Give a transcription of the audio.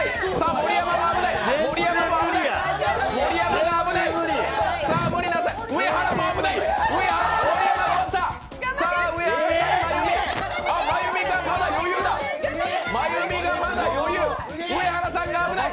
盛山が危ない！